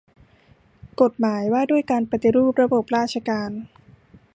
กฎหมายว่าด้วยการปฏิรูประบบราชการ